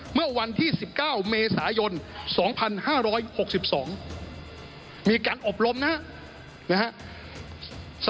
เมื่อวันที่๑๙เมษายน๒๕๖๒มีการอบรมนะครับ